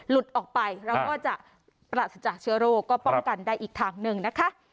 ออกไปเราก็จะปราศจากเชื้อโรคก็ป้องกันได้อีกทางหนึ่งนะคะ